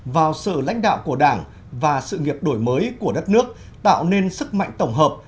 vào sự lãnh đạo của đảng và sự nghiệp đổi mới của đất nước tạo nên sức mạnh tổng hợp